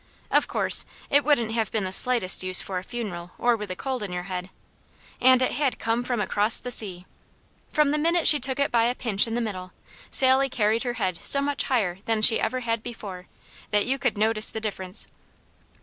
Of course it wouldn't have been the slightest use for a funeral or with a cold in your head. And it had come from across the sea! From the minute she took it by a pinch in the middle, Sally carried her head so much higher than she ever had before, that you could notice the difference.